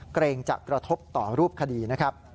เกรงจะกระทบต่อรูปคดีนะครับ